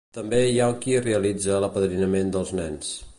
També hi ha qui realitza l'apadrinament dels nens.